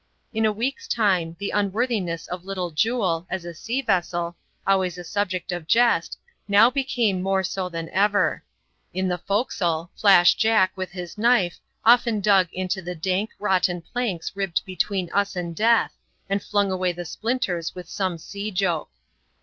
In a week's time, the un worthiness of Little Jule, as a sea vessel, always a subject of jest, now became more so than ever. In the forecastle, Flash Jack, with his knife, often dug into the dank, to\X^\i ^\axJ^"s> 4S ADVENTURES IN THE SOUTH 8EAS. {cmMP. in. ril>bed between us and death, and flung awaj the splinten with some sea joke.